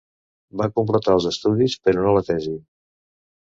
Va completar els estudis però no la tesi.